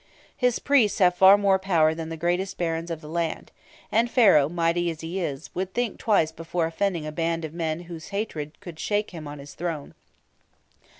His priests have far more power than the greatest barons of the land, and Pharaoh, mighty as he is, would think twice before offending a band of men whose hatred could shake him on his throne.